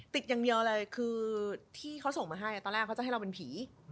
ติดอย่างเดียวเลยคือที่เขาส่งมาให้ตอนแรกเขาจะให้เราเป็นผี